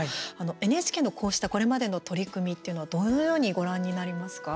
ＮＨＫのこうしたこれまでの取り組みっていうのどのように、ご覧になりますか。